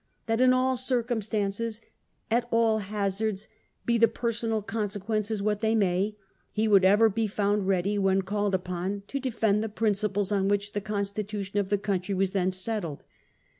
that ' in all circumstances, at all hazards, be the per sonal consequences what they may,' he would ever be found ready when called upon to defend the prin ciples on which the constitution of the country was then settled.